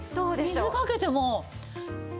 水かけても。